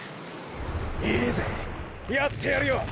いいぜやってやるよ！！